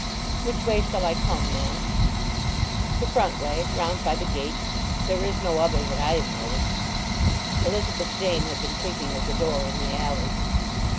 "Which way shall I come, ma'am?" "The front way—round by the gate. There is no other that I have noticed." Elizabeth Jane had been thinking of the door in the alley.